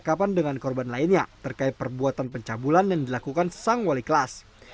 penangkapan dengan korban lainnya terkait perbuatan pencabulan yang dilakukan sang wali kelas